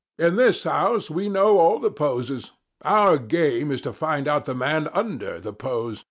In this house we know all the poses: our game is to find out the man under the pose.